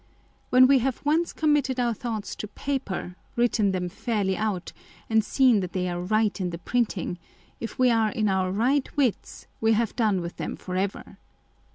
When we have once committed our thoughts to paper, written them fairly out, and seen that they are right in the printing, if we are in our right wits, we have done with them for ever.